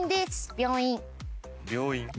病院？